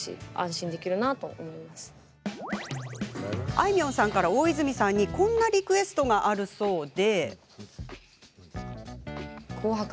あいみょんさんから大泉さんにこんなリクエストがあるそうで。